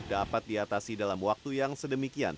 dapat diatasi dalam waktu yang sedemikian